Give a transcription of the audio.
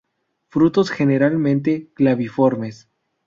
Frutos generalmente claviformes.